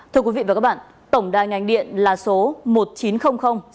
thưa quý vị và các bạn tổng đa ngành điện là số một chín không không sáu bảy sáu chín